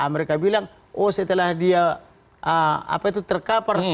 mereka bilang oh setelah dia terkapar